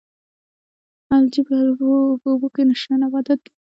الجی په اوبو کې شنه نباتات دي